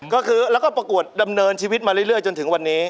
ก็คือแล้วก็ประกวดดำเนินชีวิตมาเรื่อยจนถึงวันนี้